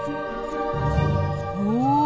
お！